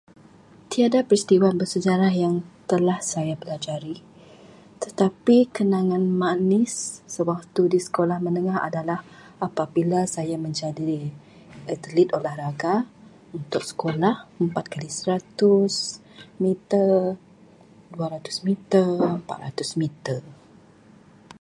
Tiada peristiwa sejarah yang telah saya pelajari, tetapi kenangan manis sewaktu di sekolah adalah apabila saya menjadi atlet olahraga untuk sekolah, empat kali seratus meter, dua ratus meter, empat ratus meter.